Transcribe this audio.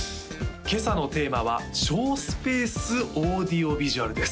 今朝のテーマは「省スペースオーディオビジュアル」です